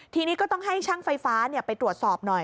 ทีนี้ก็ต้องให้ช่างไฟฟ้าไปตรวจสอบหน่อย